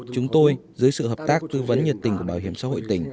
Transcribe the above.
chúng tôi dưới sự hợp tác tư vấn nhiệt tình của bảo hiểm xã hội tỉnh